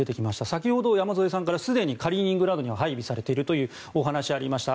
先ほど山添さんからすでにカリーニングラードには配備されているというお話がありました。